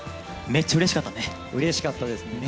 めっちゃうれしかったです。